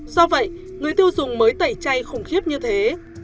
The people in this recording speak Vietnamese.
do vậy người tiêu dùng mới tẩy chay khủng khiếp như thế